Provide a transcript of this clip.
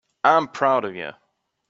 I'm proud of you.